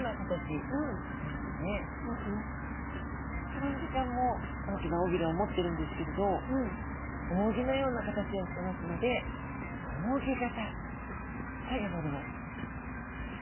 トラフグちゃんも大きな尾びれを持ってるんですけれど扇のような形をしてますので扇形と呼ばれます。